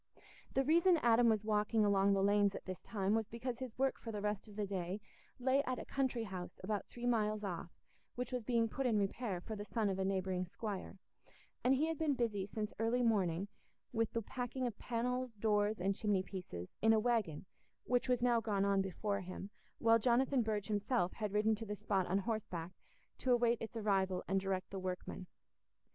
The reason Adam was walking along the lanes at this time was because his work for the rest of the day lay at a country house about three miles off, which was being put in repair for the son of a neighbouring squire; and he had been busy since early morning with the packing of panels, doors, and chimney pieces, in a waggon which was now gone on before him, while Jonathan Burge himself had ridden to the spot on horseback, to await its arrival and direct the workmen.